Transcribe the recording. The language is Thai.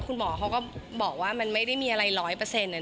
คุณหมอเขาก็บอกว่ามันไม่ได้มีอะไรร้อยเปอร์เซ็นต์